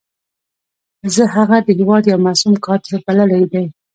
زه هغه د هېواد یو معصوم کادر بللی دی.